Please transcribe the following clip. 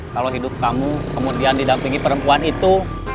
kalau hidup kamu kemudian didampingi perempuan itu